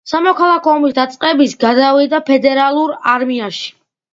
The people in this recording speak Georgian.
სამოქალაქო ომის დაწყების გადავიდა ფედერალურ არმიაში.